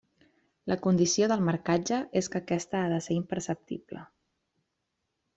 La condició del marcatge és que aquesta ha de ser imperceptible.